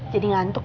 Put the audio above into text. jadi ngantuk gue